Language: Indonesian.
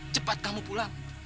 cepat kamu pulang